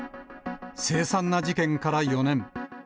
凄惨な事件から４年。